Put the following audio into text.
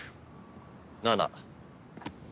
７。